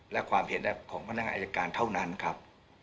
และความเห็นของพนักงานอายการเท่านั้นครับ